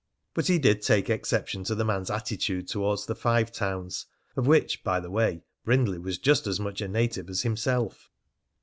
But he did take exception to the man's attitude towards the Five Towns, of which, by the way, Brindley was just as much a native as himself.